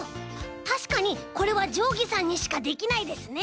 たしかにこれはじょうぎさんにしかできないですね。